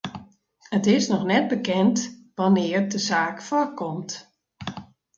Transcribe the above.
It is noch net bekend wannear't de saak foarkomt.